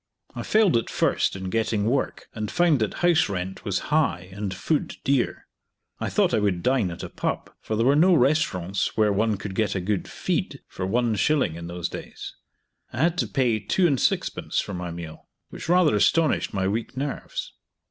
I failed at first in getting work, and found that house rent was high and food dear. I thought I would dine at a pub, for there were no restaurants where one could get a good "feed" for one shilling in those days. I had to pay 2s. 6d. for my meal, which rather astonished my weak nerves.